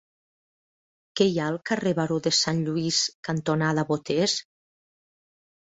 Què hi ha al carrer Baró de Sant Lluís cantonada Boters?